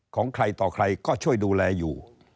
ของใครต่อใครก็ช่วยดูแลอยู่